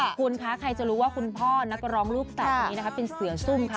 ขอบคุณค่ะใครจะรู้ว่าคุณพ่อนักกระรองลูกแบบนี้เป็นเสือซุ่ม